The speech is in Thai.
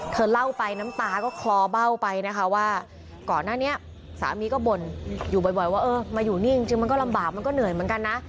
เธอเล่าไปน้ำตาก็คลอเบ้าไปนะคะว่าก่อนหน้านี้สามีก็บ่นอยู่บ่อยว่าเออมาอยู่นี่จริงมันก็ลำบากมันก็เหนื่อยเหมือนกันนะ